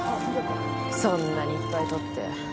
そんなにいっぱい取って。